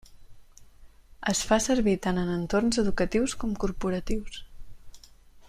Es fa servir tant en entorns educatius com corporatius.